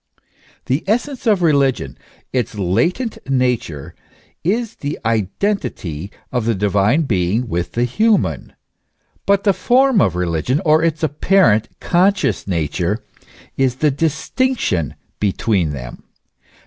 The essence of religion, its latent nature, is the identity of the divine being with the human ; but the form of religion, or its apparent, conscious nature, is the distinction between them.